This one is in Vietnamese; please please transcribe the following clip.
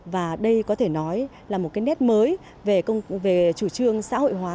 và đây có thể nói là một cái nét mới về chủ trương xã hội hóa